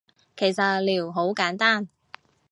其實撩好簡單